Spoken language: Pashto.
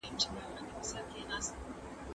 د ارغنداب د نوم اوریدل هم خوښي راولي.